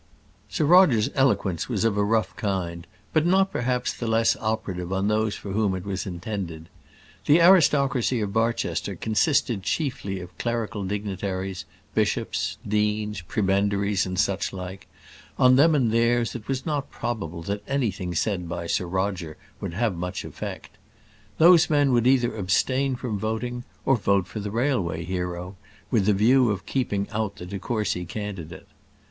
Sir Roger's eloquence was of a rough kind; but not perhaps the less operative on those for whom it was intended. The aristocracy of Barchester consisted chiefly of clerical dignitaries, bishops, deans, prebendaries, and such like: on them and theirs it was not probable that anything said by Sir Roger would have much effect. Those men would either abstain from voting, or vote for the railway hero, with the view of keeping out the de Courcy candidate.